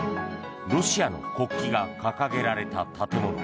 ロシアの国旗が掲げられた建物。